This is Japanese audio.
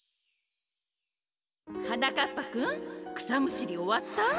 はなかっぱくんくさむしりおわった？